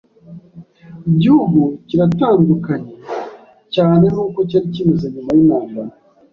Igihugu kiratandukanye cyane nuko cyari kimeze nyuma yintambara.